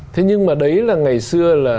thế nhưng mà đấy là ngày xưa là